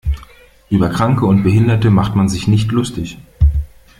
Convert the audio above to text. Über Kranke und Behinderte macht man sich nicht lustig.